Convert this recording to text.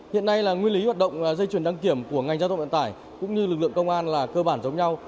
hiện nay là nguyên lý hoạt động dây chuyển đăng kiểm của ngành giao thông vận tải cũng như lực lượng công an là cơ bản giống nhau